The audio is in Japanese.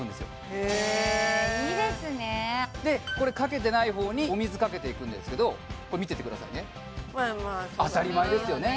へえいいですねでこれかけてない方にお水かけていくんですけどこれ見ててくださいねまあまあそうだろうな当たり前ですよね